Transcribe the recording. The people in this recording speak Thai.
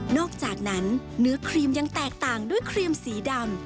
อกจากนั้นเนื้อครีมยังแตกต่างด้วยครีมสีดำ